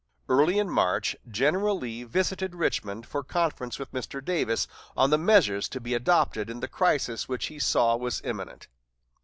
Early in March, General Lee visited Richmond for conference with Mr. Davis on the measures to be adopted in the crisis which he saw was imminent.